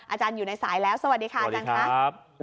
อาจารย์อยู่ในสายแล้วสวัสดีค่ะอาจารย์ครับ